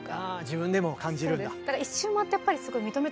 自分でも感じるんだ。